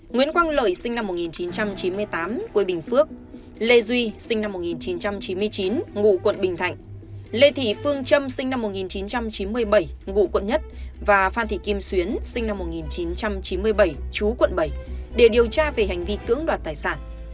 nguyễn quang lợi sinh năm một nghìn chín trăm chín mươi tám quê bình phước lê duy sinh năm một nghìn chín trăm chín mươi chín ngụ quận bình thạnh lê thị phương trâm sinh năm một nghìn chín trăm chín mươi bảy ngụ quận một và phan thị kim xuyến sinh năm một nghìn chín trăm chín mươi bảy chú quận bảy để điều tra về hành vi cưỡng đoạt tài sản